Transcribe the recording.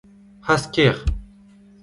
Hast kaer !